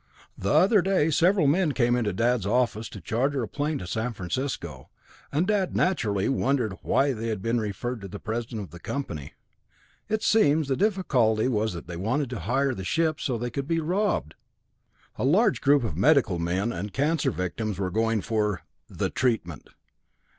The other day several men came into Dad's office, to charter a plane to San Francisco, and Dad naturally wondered why they had been referred to the president of the company. It seems the difficulty was that they wanted to hire the ship so they could be robbed! A large group of medical men and cancer victims were going for the 'treatment'.